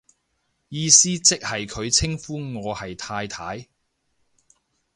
意思即係佢稱呼我係太太